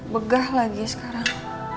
begah lagi sekarang